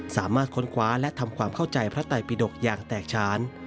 ค้นคว้าและทำความเข้าใจพระไตปิดกอย่างแตกช้าน